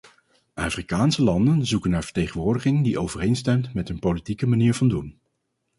Afrikaanse landen zoeken naar vertegenwoordiging die overeenstemt met hun politieke manier van doen.